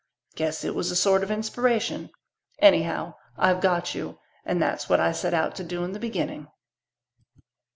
Guess it was a sort of inspiration. Anyhow, I've got you and that's what I set out to do in the beginning."